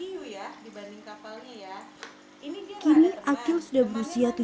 cuman dari mulut kita